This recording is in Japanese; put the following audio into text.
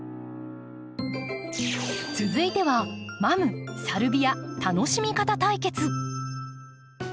続いてはマムサルビア楽しみ方対決！